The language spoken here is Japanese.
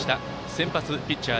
先発ピッチャー